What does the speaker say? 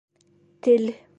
Тел